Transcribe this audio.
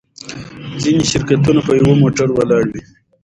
ځینې شرکتونه په یوه موټر ولاړ وي.